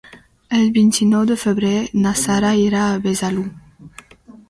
El vint-i-nou de febrer na Sara irà a Besalú.